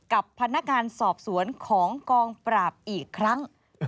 กับพนักงานสอบสวนของกองปราบอีกครั้ง